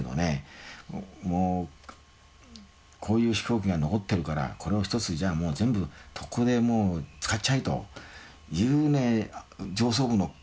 もうこういう飛行機が残ってるからこれを一つじゃあもう全部特攻でもう使っちゃえというね上層部の考えじゃないかと思いますよ。